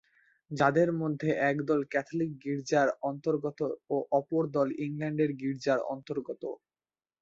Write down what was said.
যাদের মধ্যে একদল ক্যাথোলিক গির্জার অন্তর্গত ও অপর দল ইংল্যান্ডের গির্জার অন্তর্গত।